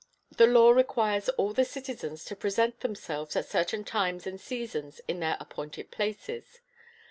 The law requires all the citizens to present themselves at certain times and seasons in their appointed places.